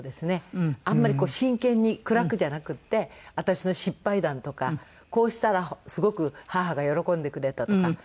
あんまり真剣に暗くじゃなくて私の失敗談とかこうしたらすごく母が喜んでくれたとか。